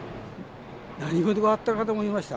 何事があったかと思いました。